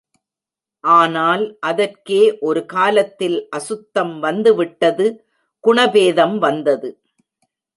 ஆனால் அதற்கே ஒரு காலத்தில் அசுத்தம் வந்து விட்டது குணபேதம் வந்தது.